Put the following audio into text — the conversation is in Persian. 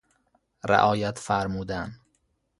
رعایت فرمودن